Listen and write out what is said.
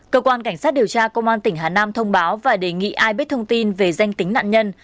cơ quan cảnh sát điều tra công an tỉnh hà nam thông báo và đề nghị ai biết thông tin về danh tính nạn nhân